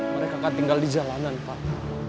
mereka kan tinggal di jalanan pak